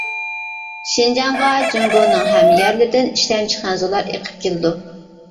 شىنجاڭغا جۇڭگونىڭ ھەممە يەرلىرىدىن ئىشلەمچى خەنزۇلار ئېقىپ كېلىدۇ.